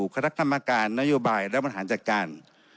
บุคลักษณะมาการณ์นโยบายและปัญหาจัดการ